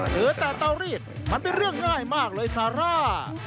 เหลือแต่เตารีดมันเป็นเรื่องง่ายมากเลยซาร่า